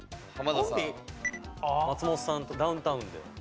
松本さんとダウンタウンで。